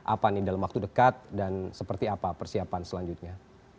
apa nih dalam waktu dekat dan seperti apa persiapan selanjutnya